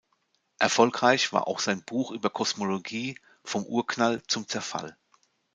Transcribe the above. Erfolgreich war auch sein Buch über Kosmologie „Vom Urknall zum Zerfall“.